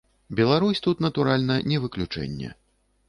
Беларусь тут, натуральна, не выключэнне.